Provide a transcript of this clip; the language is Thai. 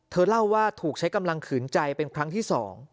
เล่าว่าถูกใช้กำลังขืนใจเป็นครั้งที่๒